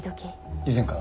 以前から？